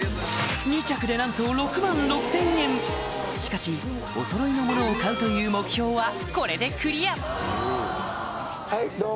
なんとしかしお揃いの物を買うという目標はこれでクリアはいどうも。